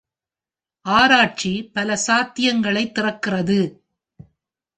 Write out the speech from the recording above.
ஆராய்ச்சி பல சாத்தியங்களைத் திறக்கிறது.